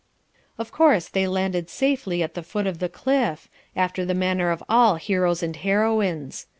'" Of course they landed safely at the foot of the cliff, after the manner of all heroes and heroines.